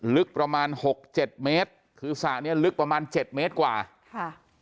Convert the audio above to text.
ลึกประมาณหกเจ็ดเมตรคือสระเนี้ยลึกประมาณเจ็ดเมตรกว่าค่ะ